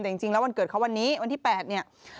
แต่จริงแล้ววันเกิดเขาวันนี้วันที่๘เนี่ย